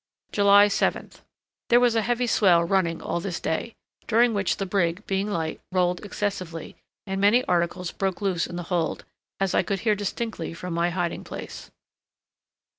July 7th. There was a heavy swell running all this day, during which the brig, being light, rolled excessively, and many articles broke loose in the hold, as I could hear distinctly from my hiding place.